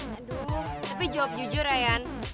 aduh tapi jawab jujur ian